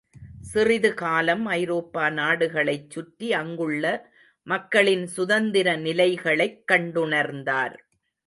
சிறிது காலம் ஐரோப்பா நாடுகளைச் சுற்றி அங்குள்ள மக்களின் சுதந்திர நிலைகளைக் கண்டுணர்ந்தார்.